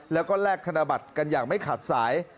แล้วก็แลกธนบัตรกันอย่างไม่ขาดสาย